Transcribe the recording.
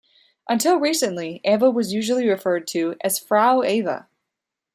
Until recently, Ava was usually referred to as "Frau Ava".